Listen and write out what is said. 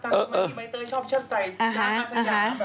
ทำไมพี่ใบเตยชอบเชิดใส่จ๊ะครับสักอย่าง